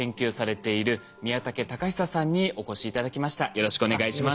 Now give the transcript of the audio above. よろしくお願いします。